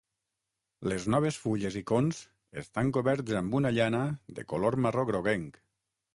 Les noves fulles i cons estan coberts amb una llana de color marró groguenc.